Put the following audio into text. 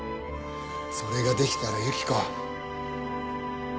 それができたらユキコ。